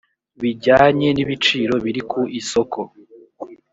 bijyanye n ibiciro biri ku isoko